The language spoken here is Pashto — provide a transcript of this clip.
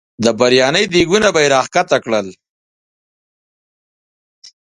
د برياني دیګونه به یې راښکته کړل.